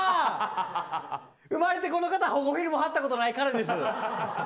生まれてこの方保護フィルム貼ったことない彼です。